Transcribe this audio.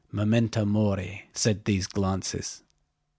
"Memento mori," said these glances.